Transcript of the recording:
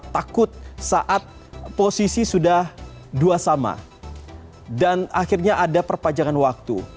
takut saat posisi sudah dua sama dan akhirnya ada perpanjangan waktu